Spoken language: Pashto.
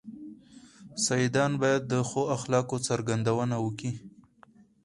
سيدان بايد د ښو اخلاقو څرګندونه وکي.